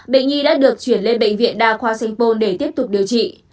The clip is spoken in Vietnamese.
bệnh nhi đã được chuyển lên bệnh viện đa khoa sanh pôn để tiếp tục điều trị